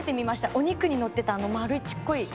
お肉にのってたあの丸いちっこい。